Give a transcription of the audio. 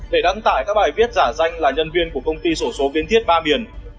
để đăng tải các bài viết giả danh là nhân viên của công ty sổ số kiến thiết ba biển